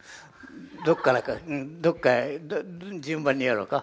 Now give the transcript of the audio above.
どっからかうんどっか順番にやろうか？